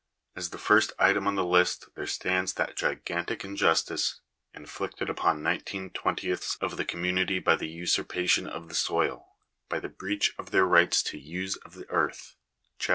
As the first item on the list there stands that gigantic injustice inflicted upon nineteen twentieths of the community by die usurpation of the soil — by the breach of their rights to the use of the earth (Chap.